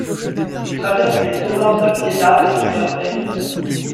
Il traverse les provinces de Biella et de Verceil.